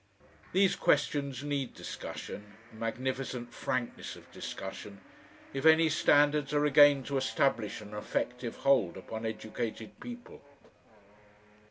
These questions need discussion a magnificent frankness of discussion if any standards are again to establish an effective hold upon educated people.